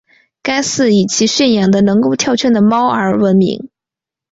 该寺以其训养的能够跳圈的猫而闻名。